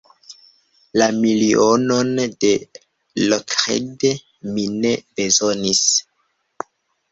La milionon de Lockheed mi ne bezonis.